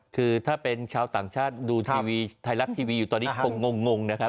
คือถ้าเป็นชาวต่างชาติดูทีวีไทยรัฐทีวีอยู่ตอนนี้คงงนะครับ